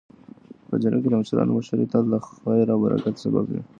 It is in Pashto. . په جرګه کي د مشرانو مشورې تل د خیر او برکت سبب وي.